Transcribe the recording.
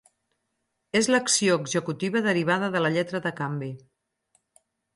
És l'acció executiva derivada de la lletra de canvi.